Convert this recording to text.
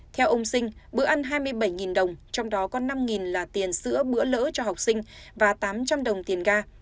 theo ông sinh bữa ăn hai mươi bảy đồng trong đó có năm là tiền sữa bữa lễ cho học sinh và tám trăm linh đồng tiền ga